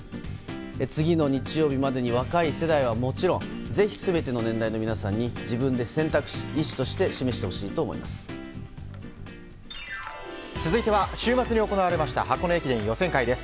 次の日曜日までに若い世代はもちろんぜひ全ての年代の全ての皆さんにぜひ自分で選択し続いては、週末に行われました箱根駅伝予選会です。